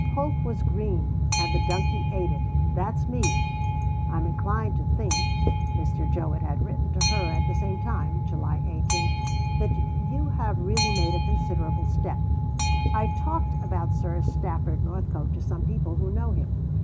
Hope was green, and the donkey ate it (that's me)." "I am inclined to think," Mr. Jowett had written to her at the same time (July 18), "that you have really made a considerable step. I talked about Sir Stafford Northcote to some people who know him.